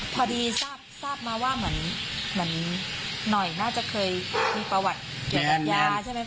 พอดีทราบมาว่าเหมือนหน่อยน่าจะเคยมีประวัติเกี่ยวกับยาใช่ไหม